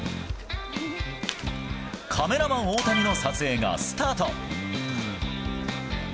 カメラマン、大谷の撮影がスタート。